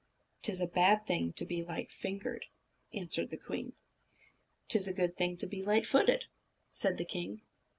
"'T is a bad thing to be light fingered," answered the queen. "'T is a good thing to be light footed," said the king.